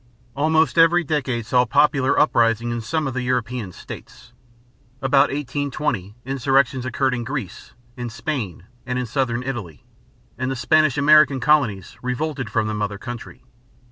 Almost every decade saw popular uprisings in some of the European states. About 1820 insurrections occurred in Greece, in Spain, and in southern Italy; and the Spanish American colonies revolted from the mother country.